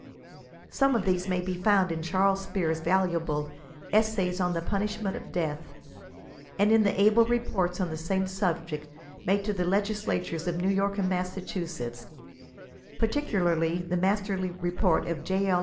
Some of these may be found in Charles Spear's valuable 89 Essays on the Punishment of Death, and in the ahle reports on the same suhject, made to the legislatures of New York and Massachusetts, particularly the masterly report of J. L.